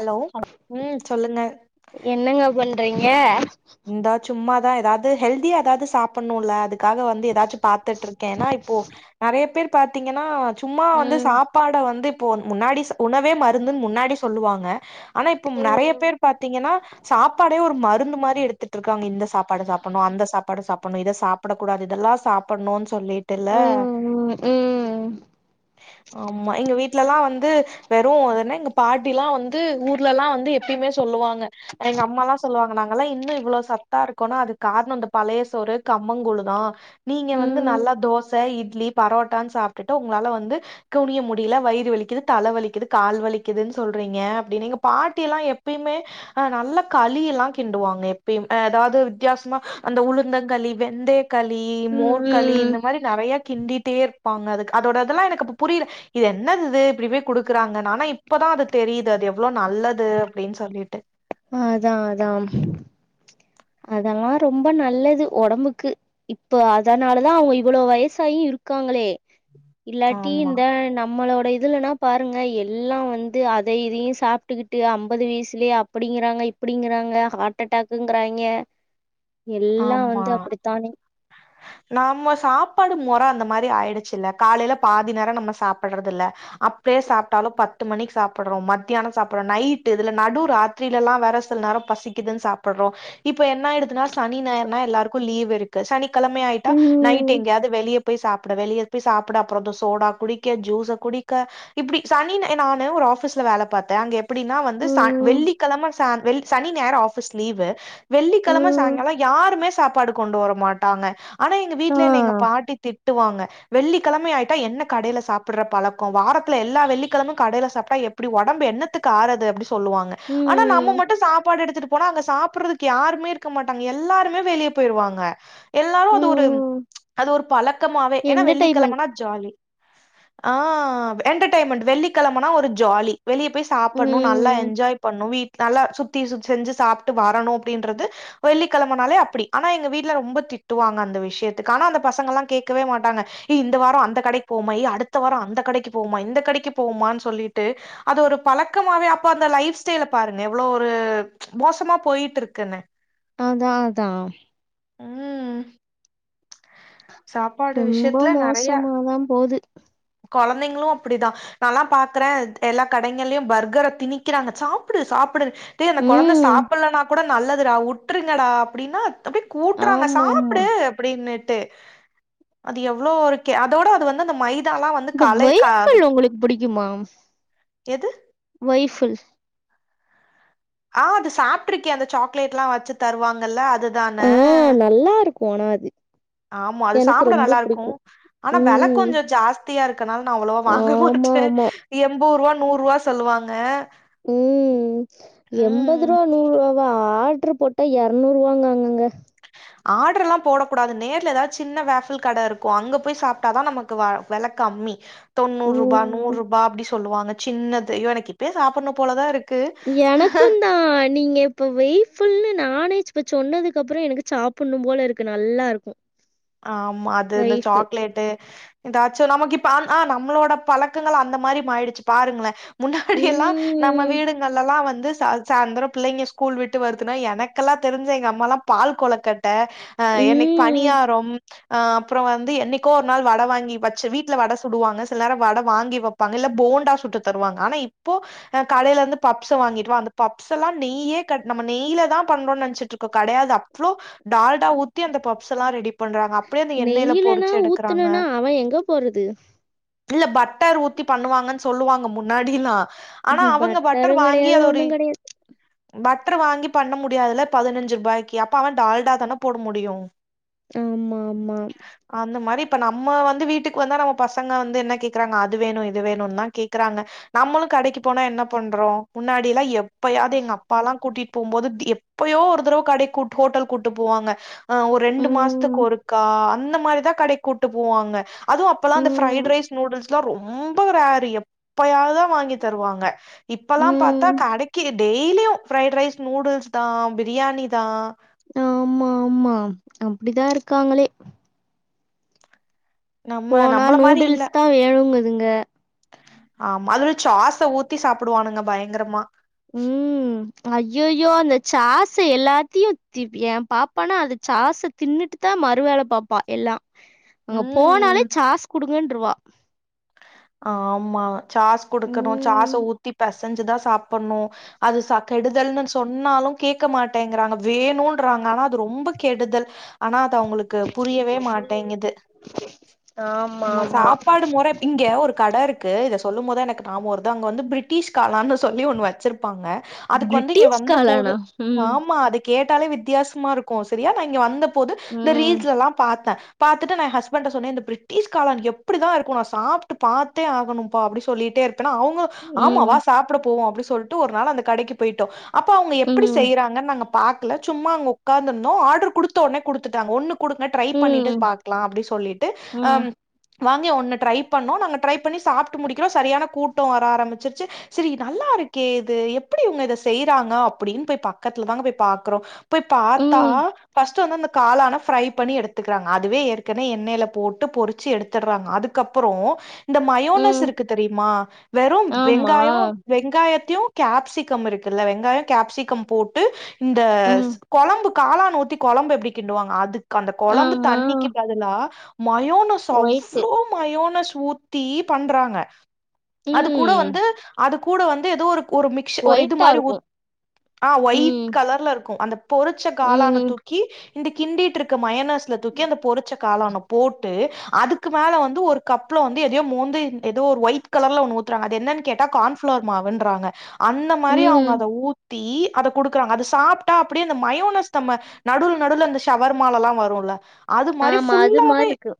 Hello ம் சொல்லுங்க என்னங்க பண்றீங்க இந்தா சும்மாதா எதாவ்து ஹெல்தியா எதாவது சாப்ட்ணுல அதுக் க்காக வந்து எதாச்சு பாத்துட்ருக்கே. ஏனா இப்போ நெறயா பேர் பாத்தீங்கனா சும்மா வந்து ம் சாப்பாட வந்து இப்போ முன்னாடி சா உணவே மருந்துன்னு முன்னாடி சொல்லுவாங்க ஆனா இப்ப நெறயா பேர் பாத்தீங்கனா சாப்பாடே ஒரு மருந்து மாரி எடு ட்டு இருக்காங்க இந்த சாப்பாட சாப்பட்ணு அந்த சாப்பாட சாப்பட்ணு இத சாப்ட கூடாது இதெல்லா சா பட்ணுன் சொல்லிட்டுல்ல ம் ம் ஆமா எங்க வீட் வீட்லல்லா வந்து வெறும் அதென்ன எங்க பாட்டிலா வந்து ஊர்லல்லா வந்து எப்பயுமே சொல்லுவாங்க எங்க அம்மாலா சொல்லுவாங்க நாங்கெல்லா இன்னு இவ்ளோ சத்தா இருக்கோனா அதுக்கு காரணொ அந்த பழயசோறு கம்மங்கூழு தா நீங்க வந்து ம் நல்லா தோச இட்லி பரோட்டான் சாப்ட்டுட்டு உங்களால வந்து குனிய முடில வயிறு வலிக்குது தலை வலிக்குது கால் வலிக்குதுன் சொல்றீங்க அப்டின்னு எங்க பாட்டிலா எப்பய்மே அ நல்லா களில்லா கிண்டுவாங்க எப் பயும். அதாவ்து வித்யாசமா அந்த உளுந்தங்களி வெந்தய களி மோர்களி ம் இந்த மாரி நறையா கிண்டீட்டே இர்ப்பாங்க அதுக் அதோடதெல்லா எனக்கு அப்ப புரிர இது என்னது இது இப்டிபே குடுக்குறாங்க ஆனா இப்பதா அது தெரியுது அது எவ்ளோ நல்லது அப்டின்னு சொல்லிட்டு ஆ அதா அதாம் அதெல்லா ரொம்ப நல்லது ஒடம்புக்கு இப்போ அதனாலதா அவுங்க இவ்ளோ வயசாயு இருக்காங்களே இல்லாட்டி ஆமா இந்த நம்மளோட இதுலெனா பாருங்க எல்லா வந்து அத இதயு சாப்டுக்கிட்டு அம்பது வியசுலயே அப்படிங்கிறாங்க இப் அப்டிங்றாங்க ஹார்ட் டாக்குங்கிறாங்க ஆம்மா [inaudible] நம்ம சாப்பாடு மொற அந்த மாரி ஆயிடுச்சுல்ல காலேல பாதி நேரோ நம்ம சாப்பட்றதில்ல அப்பே சாப்ட்டாலு பத்து மணிக்கு சாப்ட்றோ மத்தியானொ சாப்ட்றோ நைட்டு இதுல நடுராத் திரிலா வேற சில நேரோ பசிக்குதுன்னு சாப்ட்றோ இப்ப என்ன ஆயிடுதுனா சனி ஞாயிருனா எல்லாருக்கு லீவ் இருக்கு சனிக்கெழமை ஆய்ட்டா நைட் ம் எங்க்யாவ்து வெளிய பொய் சாப்ட வெளிய பொய் சாப்புடு அப்றோ இந்த சோடா குடிக்க ஜுஸ்ஸ குடிக்க இப்டி சனினு நானு ஒரு ஆஃப்ஸ்ல வேல பாத்தே அங்க எப் எப்டின்னா வந்து ச ம் வெள்ளிகெழம ச வெள் சனி ஞாயிரு ஆஃப்ஸ் லீவு. வெள்ளிகெழம ம் யாருமே சாப்பாடு கொண்டு வர மாட்டாங்க ஆன எங்க ஆ வீட்ல என்ன எங்க பாட்டி திட்டுவாங்க வெள்ளிக்கெழம ஆயிட்டா என்ன கடைல சாப்பட்ற பளக்கொ வாரத்துல எல்லா வெள்ளிக்கெழம கடைல சாப்டா எப் இப்டி ஒடம்பு என்னத்துக்கு ஆறது அப்டிஸ் சொல்லுவாங்க ஆனா நம்ம ம் மட்டு சாப்பாடு எடுத்துட்டு போனா அங்க சாப்பட்றதுக்கு யாருமே இரு க்க மாட்டாங்க எல்லாருமே வெளிய பொய்ருவாங்க எல்லாரும் ம், அது ஒரு ம். அது ஒரு பலக்கமாவே ஏனா என்டர்டெயின்மென்ட். வெள்ளிகெழமன்னா ஜாலி ஆ என்டெர்டெய்ன்மெண்ட் வெள்ளிகெழமன்னா ஒரு ஜாலி வெளிய பொய் சாப்பட்ணு நல்லா ம். என்ஜாய் பண்ணு வீ நல்லா சுத்தி சுத் செஞ்சு சாப்டு வரணு அப்டின்றது வெள்ளிகெழமனாலே அப்பிடி ஆனா எங்க வீட்ல ரொம்ப திட்டுவாங்க அந்த விஷயத்துக்கு ஆனா அந்த பசங்கல்லா கேக்கவே மாட்டாங்க. இ இந்த வாரோ அந்த கடக்கி போமா ஏ அடுத்த வாரோ அந்த கடக்கி போமா இந்த கடக்கி போமான்னு சொல்லிட்டு அது ஒரு பலக்கமாவே அப்ப அந்த லைஃப் ஸ்டைல பாருங்க எவ்ளோ ஒரு மோசமா போய்ட்டு இருக்குனு அதா அதா ம் சாப்பாடு ரொம்ப விஷயத்துல நறைய மோசமா தான் போது. கொழந்தைங்களு அப்படிதா நால்லா பாக்குறே எல்லா கடைகள்ளயு பர்கர திணிக்கிறாங்க சாப் ப்டு சாப்டு டேய் அந்த கொழந்த ம். சாப்பலனா கூட நல்லதுடா உட்ருங்கடா அப்டின்னா அப்டி கூட்டுறாங்க ஆமாமா. சாப்டு அப்டின்னுட்டு அது எவ்ளோ இருக்கெ அதோட அது வந்து அந்த மை இந்த வைஃபுல் உங்களுக்கு பிடிக்குமா எது வைஃபுல் ஆ அது சாப்பிட்ருக்கெ அந்த சாக்லேட்லா வச்சு தருவாங்கல்ல அதுதான ஆ நல்லா இருக்கு அனா அதி ஆமா அது சாப்ட நல்லா இருக்கு ஆனா வெல ம். கொஞ்ச ஜாஸ்தியா இருக்கனால நா அவ்லொவா வாங்க மாட்டே ஆமாமா. எம்போ ரூவா நூற் ரூவா சொல்லுவாங்க ம் ம் எம்பது ருவா நூற் ருவா ப்ப ஆட்ர் போட்டா எர்நூறுவாங்கங்கங்க ஆட்ர்லா போட கூடாது நேர்ல ஏதாவது சின்ன வேஃப்ல் கட இருக்கு அங்க போய் சாப்ட்டாதா நமக்கு வ வெல கம்மி தொண்ணூறு ரூபா, நூறு ம். ரூபா அப்டி சொல்லுவாங்க சின்னது, அய்யோ எனக்கு இப்பயே சாப்ட்னு போலதா இருக் எனக்குதா நீங்க இப்ப வெய் ஃபுல்னு நானே இப்ப சொன்னதுக்கு அப்பறோ எனக்கு சாப்புட்ணு போல இருக்கு நல்லா இருக்கு ஆமா அது இந்த சாக்லேட்டு எதாச்சு நமக்கு இப்ப அந் ஆ நம்மளோட பழக்கங்கள் அந்த மாரி மாறிடுச்சு பாருங்களே முன்னாடியெல்லா நம்ம ம், வீடுங்கள்லல்லா வந்து சா சாந்தர பிள்ளைங்க ஸ்கூல் விட்டு வருதுனா எனக்கல்லா தெரிஞ்சி எங்க அம்மால்லா பால் கொழுக்கட் ட அ என்னைக்கு ம். பணியாரம் அ அப்றோ வந்து என்னைக்கோ ஒரு நாள் வட வாங்கி வச்சு வீட்ல வட சுடுவாங்க சில நேர வட வாங்கி வப் ப்பாங்க இல்ல போண்டா சுட்டு தருவாங்க, ஆனா இப்போ அ கடையில இருந்து பப்ஸ் வாங்கிடுவா அந்த பப்ஸ் எல்லா நெயே க நம்ம நெய்லதா பண்றோனு நெனைச்ட்டு க்கு கடையாது அவ்ளோ டால்டா ஊத்தி அந்த பப்ஸ் எல்லா ரெடி ட்டாங்க அப்டியே அந்த எண்ணெயில நெய்யிலனா பொறிச்சு எடுக்றாங்க ஊத்துனனா அவன் எங்க போறது? இல்ல பட்டர் ஊத்தி பண்ணுவாங்கன்னு சொல்லுவாங்க முன்னாடில்லா ஆனா அவங்க பட்டர் பட்டரும் வாங்கி கிடையாது, அது ஒரு ஒண்ணும் கிடையாது. பட்டர் வாங்கி பண்ண முடியாதுல பதினஞ்சு ரூபாய்க்கு அப்ப அவ டால்டாதான போட முடியு ஆமா ஆமா அந்த மாரி இப்ப நம்ம வந்து வீட்டுக்கு வந்தா நம்ம பசங்க வந்து என்ன கேக்குறாங்க அது வேணு இது வேணுதா கேக்குறாங்க நம்மளு கடைக்கு போனா என்ன பண்றோ முன்னாடில்லா எப்பயாது எங்க அப்பால்லா கூட்டிட் போம்போது தி எப்போயோ ஒரு தடவ கட கூட் ஹோட்டல் கூட்டு போவாங்க, அ ஒரு ரெண்டு மாசத்துக்கு ம், ஒருக்கா அந்த மாரிதா கடைக் கூட்டு போவாங்க அதுவு அப்பல்லா அந்த ம், பிரைட் ரைஸ் நூடுல்ஸ்லா ரொம்ப ரேரு எப்பயாவதுதா வாங்கி தருவாங்க இப்பல்லா பாத்தா ம். கடைக்கி டெய்லியு ஃரைட் ரைஸ், நூடுல்ஸ்தா, பிரியாணிதா ஆமா ஆமா அப்டிதா இருக்காங்களே நம்ம போனா நம்மள மாரி இல்ல நூடுல்ஸ்தா வேணுங்குதுங்க ஆமா அதுவு சாஸ்ஸ ஊத்தி சாப்டுவானுங்க பயங்கரமா ம் ஐய்யயோ அந்த சாஸ்ஸ எல்லாத்தியு தி எ பாப்பானா அந்த சாஸ் தின்னுட்டுதா மறு வேல பாப்பா எல்லா அங்க போனாலே ம் சாஸ் குடுங்கன்ருவா ஆமா சாஸ் குடுக்கணு ம். சாஸ்ஸ ஊத்தி பெசஞ்சுதா சாப்பட்ணு அது ச கெடுதல்னு சொன்னாலு கேட்க மாட்டேங்கிறாங்க வேணும்ன்றாங்க ஆனா அது ரொம்ப கெடுதல் ஆனா அது அவங்களுக்கு புரியவே மாட்டேங்குது ஆமா, நம்ம ஆமா. சாப்பாடு மொற இங்கே ஒரு கட இருக்கு இது சொல்லும்போதா எனக்கு ஞாபோ வருது அங்க வந்து பிரிட்டிஷ் காலான்னு சொல்லி ஒண்ணு வச்சிருப்பாங்க அதுக்கு வந்து இங்க பிரிட்டிஷ் வந்த போது காளானா? ம். ஆமா கேட்டாலே வித்தியாசமா இருக்கு சரியா, நா இங்க வந்தபோது இந்த ம். ரீல்ஸ்லல்லா பாத்த பாத்துட்டு நா எ ஹஸ்பண்ட்ட சொன்னே இந்த பிரி ட்டிஷ் காலான் எப்படிதா இருக்கு, நா சாப்ட்டு பாத்தே ஆகணும்ப்பா அப்டி சொல்லிட்டே அப்பனா அவங்களு ஆமா வா ம். சாப்ட போவோ அப்டின்னு சொல்லிட்டு ஒரு நாள் அந்த கடைக்கு போயிட்டோ அப்போ அவங்க எப்டி ம். செய்யறாங்கன்னு நாங்க பாக்கல, சும்மா அங்க ஒக்காந்துருந்தோ ஆர்டர் குடுத்த ஒடனே குடுத்துட்டாங்க ஒன்னு குடுங்க ட்ரை பண்ணிட்டு ம். பாக்கலா அப்டின்னு சொல்லிட்டு அம் ம். வாங்கி ஒன்னு ட்ரை பண்ணோ நாங்க ட்ரை பண்ணி சாப்ட்டு முடிக்கிறோ சரியான கூட்டம் வர ஆரம்பிச்சிருச்சு சேரி நல்லா இருக்கே இது எப்டி இவங்க இத செய்யறாங்க அப்டின்னு போய் பக்கத்துலதாங்க போய் பாக்குறோ போய் பாத்தா ம். ஃபஸ்ட் வந்து அந்த காளான ப்ரை பண்ணி எடுத்துக்கிறாங்க அதுவே ஏற்கனவே எண்ணெயில போட் ட்ட பொறிச்சு எடுத்துட்றாங்க அதுக்கப்றோ இந்த மயோனஸ் ம். இருக்கு தெரிமா வெறு ஆமா. வெங்காயோ வெங்காயத்தியு கேப்சிகம் இருக்குல்ல வெங்காயோ கேப்சிகம் போட்டு இந்த ம். கொழம்பு காளான் ஊத்தி கொழம்பு எப்டி கிண்டுவாங்க அதுக் அந்த கொழம்பு ஆமா. தண்ணிக்கி பதிலா மயோனஸ் ஒயிட்டு. அவ்ளோ மயோனஸ் ஊத்தி பண்றாங்க அது கூட ம். வந்து அது கூட வந்து எதோரு ஒரு மிக்ஸ் ஒரு இது ஒயிட்டா மாரி ஊ இருக்கும். ஆ ஒயிட் ம். கலர்லருக்கு அந்த பொறிச்ச காளான ம். தூக்கி இந்த கிண்டிட்ருக்க மயனஸ்ல தூக்கி அந்த பொறிச்ச காளான போட்டு அதுக்கு மேல வந்து ஒரு கப்ல வந்து எதயோ மோந்து எதோ ஒரு ஒயிட் கலர்ல ஒண்ணு ஊத்துறாங்க அது என்னன் கேட்டா கான் ஃப்ளார் மாவுன்றங்க அந்த மாரி அவுங்க ம். அத ஊ த்தி அத குடுக்குறாங்க அத சாப்ட்டா அப்டியே அந்த மயோனஸ் நம்ம நடுவுல நடுவுல அந்த ஷவர் மாலலா வருல அது மாரி ஆமா. அது ஃபுல்லா மாரி இருக்கு.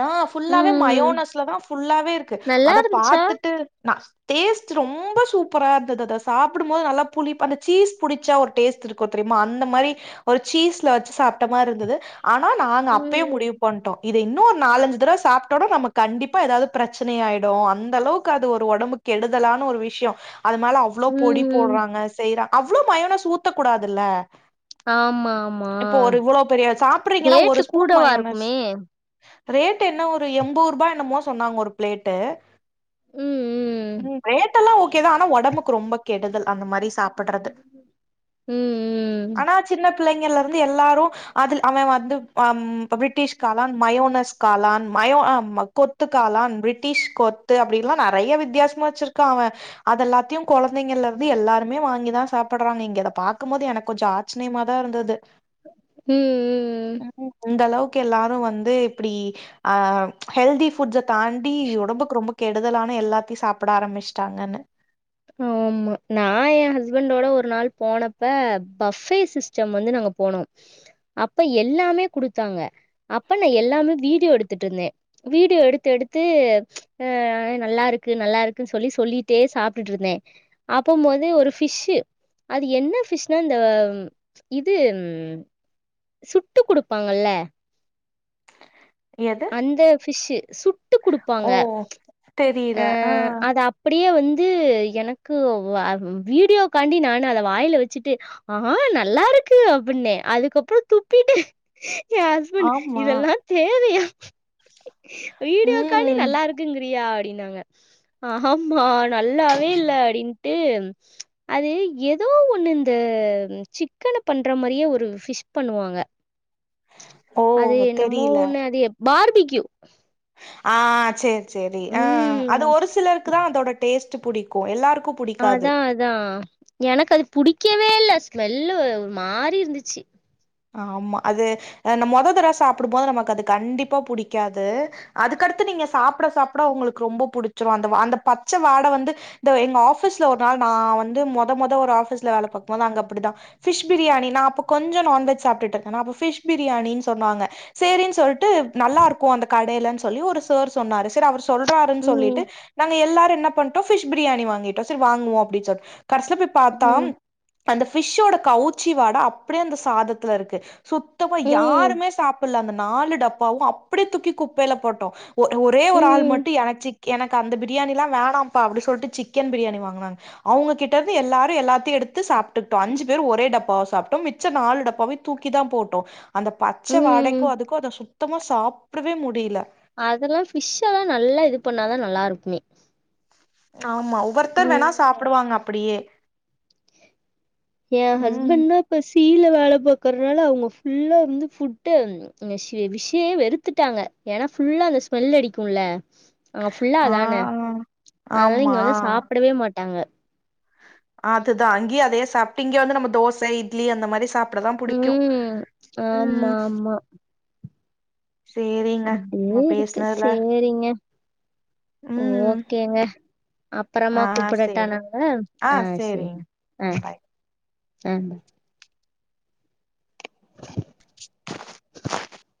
ஆ ஃபுல்லாவே ம். மயோனஸ்லதா ஃபுல்லாவே இருக்கு நல்லா அத இருந்துச்சா? பாத்துட் டு நா டேஸ்ட்டு ரொம்ப சூப்பரா இருந்தது அத சாப்டும்போது நல்லா புளிப் அந்த சீஸ் புடிச்சா ஒரு டேஸ்ட்ரு க்கு தெரிமா அந்த மாரி ஒரு சீஸ்ல வச்சு சாப்ட்ட மார்ருந்தது ஆனா நானு அப்பயே ம். முடிவு பண்ட்டோ இத இன்னு ஒரு நாலஞ்சு தடவ சாப்ட்டோனா நமக் கண்டிப்பா எதாது பிரச்சனயாயிடு அந்தளவுக்கு அது ஒரு ஒடம்பு கெடுதலான ஒரு விஷ்யோ அதுமேல அவ் அவ்ளோ பொடி ம். போட்றாங்க செய்றா அவ்ளோ மயோனஸ் ஊத்தக் கூடாதுல்ல ஆமா, ஆமா. இப்போ ஒரு இவ்ளோ பெரிய சாப்புறீங்கன்னா ஒரு ரேட்டு ஸ்பூன் கூடவா மயோனஸ் இருக்குமே! ரேட்டென்ன ஒரு எம்போரூபா என்னமோ சொன்னாங்க ஒரு பிளேட்டு ம் ரேட்டெல்லா ஓகேதா ஆனா ஒடம்புக்கு ரொம்ப கெடுதல் அந்த மாரி சாப் ம் ம் ஆனா சின்ன பிள்ளைங்கலருந்து எல்லாரு அதுல் அவேன் வந்து அம் ப்ப பிரிட்டிஷ் காளான் மயோனஸ் காளான் மயோ ஆ கொத்து காளான் பிரிட்டிஷ் கொ த்து அப்டின்ல்லா நறையா வித்யாசமா வச்சிருக்கா அவேன் அது எல்லாத்தையு கொழந்தைங்கலருந்து எல்லாருமே வாங்கி தா சாப்புட்றாங்க இங்க அத பாக்கும்போது எனக்கு கொஞ்சோ ஆ ச்சினைமாதாருந்தது ம் ம் இந்தளவுக்கு எல்லாரு வந்து இப்டி ஆ ஹெல்தி ஃபுட்ஸ தான்டி ஒடம்புக்கு ரொம்ப கெடுதலான எல்லாத்தியு சாப்ட ஆரம்பிச்ட்டாங்கன்னு ஆமா நா எ ஹஸ்பண்டோட ஒரு நாள் போனப்ப பஃபே சிஸ் ச்சம் வந்து நாங்க போனோ அப்ப எல்லாமே குடுத்தாங்க அப்ப நா எல்லாமே வீடியோ எடுத்துட்ருந்தே வீடியோ எடுத்து எடுத்து ஆ நல்லாருக்கு நல்லாருக்குன் சொல்லி சொல்லிட்டே சாப் ட்டுட்ருந்தே அப்ப மொதயே ஒரு ஃபிஷ்ஷு அது என்ன ஃபிஷ்னா இந்த இது சுட்டு குடுப்பாங்கல எது அந்த ஃபிஷ்ஷு சுட்டு குடுப்பாங்க ஓ ஆ அத அ ப்டியே வந்து எனக்கு வா வீடியோகான்டி நானு அத வாய்ல வச்சுட்டு ஆ நல்லாருக்கு அப்பின்னே அதுக்கப்றோ துப்பிட்டே எ ஹஸ்பண்ட் ஆமா இதெல்லா தேவயா வீடியோக்கான்டி ம் நல்லா இருக்குங்கிறியா அப்டின்னாங்க ஆமா நல்லாவே இல்ல அப்டின்ட்டு அது எதோ ஒண்ணு இந்த சிக்கன பண்ற மாரியே ஒரு ஃபிஷ் பண்ணுவாங்க ஓ அது என்னமோ தெரியல ஒன்னு அது பார்பிகியூ ஆ சேரி சேரி ஆ ம் அது ஒரு சிலருக்கு தா அதோட டேஸ்ட் புடிக்கு எல்லாருக்கு புடிக்காது அதா அதா எனக்கு அது புடிக்கவே இல்ல ஸ்மெல்லு ஒரு மாரி இருந்துச்சு ஆமா அது மொத தர சாப்பிடும்போது நமக்கு அது கண்டிப்பா புடிக்காது அதுக்கடுத்து நீங்க சாப்ட சாப்ட உங்களுக்கு ரொம்ப புடிச்சுரு அந்த அந்த பச்ச வாட வந்து இந்த எங்க ஆபீஸ்ல ஒரு நாள் நா வந்து மொத மொத ஒரு ஆபீஸ்ல வேல பாக்கும் போது அங்க அப்டிதா ஃபிஷ் பிரியாணி நா அப்ப கொஞ்ச நான்வெஜ் சாப்ட்டு இருக்கனா அப்ப ஃபிஷ் பிரியாணின் சொன்னாங்க சேரின் சொல் ட்டு நல்லா இருக்கு அந்த கடையில சொல்லி ஒரு சார் சொன்னாரு சார் அவர் சொ சொல்றாருன் ம் சொல்லிட்டு நாங்க எல்லாரு என்ன பண்ண ஃபிஷ் பிரியாணி வாங்கிட்டோ சேரி வாங்குவோ அப்பின் சொல்லி கடசில போய் பாத்தா ம் அந்த ஃபிஷ்ஷோட கவுச்சி வாட அப்டியே அந்த சாதத்துல இருக்கு சுத்தமா ம் யாருமே சாப்பல்ல அந்த நாலு டப்பாவு அப்டே தூக்கி குப்பையில போட்டோ ஒ ஒரே ஒரு ஆள் ம் மட்டு எனக்கு சிக் எனக்கு அந்த பிரியாணிலா வேணாம்ப்பா அப்டி சொல்ட்டு சிக்கன் பிரியாணி வாங்குனாங்க அவுங்க கிட்ட இருந்து எல்லாரு எல்லாத்தையு எடுத்து சாப்டுட்டோ அஞ்சு பேர் ஒரே டப்பாவ சாப்ட்டோ மிச்ச நாலு டப்பாவ தூக்கி தா போட்டோ அந்த பச்ச வாடைக்கு ம் அதுக்கு அத சுத்தமா சாப்டவே முடில அதெல்லா ஃபிஷ் எல்லாம் நல்லா இது பண்ணாதா நல்லா இருக்குமே ஆமா ஒவ்வொருத்தர் ம் வேணா சாப்டுவாங்க அப்டியே என் ம் ஹஸ்பண்ட்னா இப்ப சீல வேல பாக்றனால அவங்க ஃபுல்லா வந்து ஃபுட்டு அந்த ஃபிஷ்ஷே வெறுத்துட்டாங்க ஏன்னா ஃபுல்லா அந்த ஸ்மெல் அடிக்குல அங்க ஃபுல்லா ஆ அதான அதனால இங்க வந்து ஆமா சாப்டவே மாட்டாங்க அதுதா அங்கயே அதே சாப்ட்டு இங்க வந்து நம்ம தோச இ்ட்லி அந்த மாரி சாப் அப்டிதா புடிக்கு ம் ஆமா ஆமா சேரிங்க அப்டியே நம்ம இருக்கு பேசுனதுல சேரிங்க ம் ஓகேங்க அப்பறமா ஆ கூப்படட்ட சேரி நானு ஆ சேரி சேரிங்க ஆ ம் பாய் ஆ